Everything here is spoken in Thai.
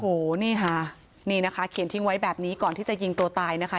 โอ้โหนี่ค่ะนี่นะคะเขียนทิ้งไว้แบบนี้ก่อนที่จะยิงตัวตายนะคะ